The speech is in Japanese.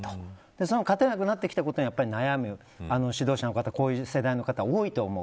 その、勝てなくなってきたことに悩む指導者の方、こういう世代の方多いと思う。